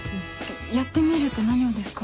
やってみるって何をですか？